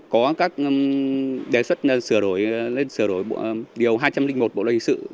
có các đề xuất sửa đổi đề xuất sửa đổi điều hai trăm linh một bộ đoàn hình sự